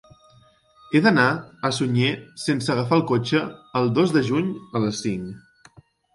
He d'anar a Sunyer sense agafar el cotxe el dos de juny a les cinc.